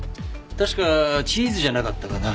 確かチーズじゃなかったかな？